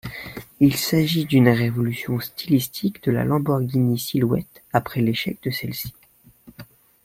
Il s'agit d'une évolution stylistique de la Lamborghini Silhouette après l'échec de celle-ci.